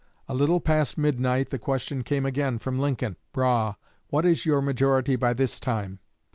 A little past midnight the question came again from Lincoln, "Brough, what is your majority by this time?"